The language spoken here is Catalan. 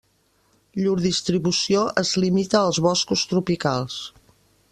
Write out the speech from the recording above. Llur distribució es limita als boscos tropicals.